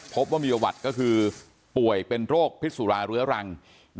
พบว่ามีประวัติก็คือป่วยเป็นโรคพิษสุราเรื้อรัง